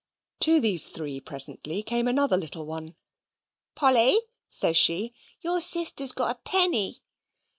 To these three presently came another little one. "POLLY," says she, "YOUR SISTER'S GOT A PENNY."